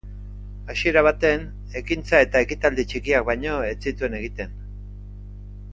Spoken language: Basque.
Hasiera baten, ekintza eta ekitaldi txikiak baino ez zituen egiten.